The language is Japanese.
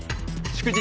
祝日。